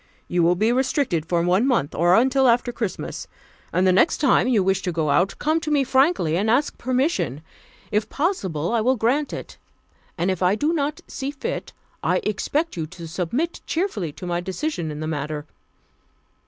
You will be restricted for one month, or until after Christmas. And the next time you wish to go out, come to me frankly and ask permission. If possible, I will grant it; and if I do not see fit, I shall expect you to submit cheerfully to my decision in the matter.